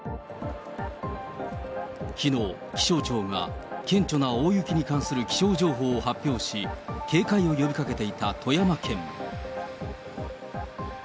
きのう、気象庁が顕著な大雪に関する気象情報を発表し、警戒を呼びかけていた富山県。